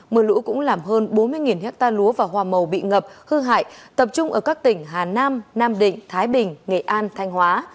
mưa lũ cũng làm hơn bốn mươi hectare lúa và hoa màu bị ngập hư hại tập trung ở các tỉnh hà nam nam định thái bình nghệ an thanh hóa